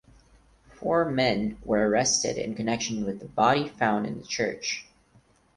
Four men were arrested in connection with the body found in the church.